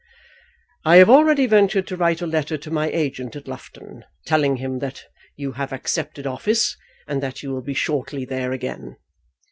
"I have already ventured to write a letter to my agent at Loughton, telling him that you have accepted office, and that you will be shortly there again.